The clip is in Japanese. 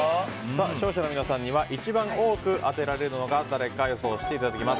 視聴者の皆さんには一番多く当てられるのが誰なのか予想していただきます。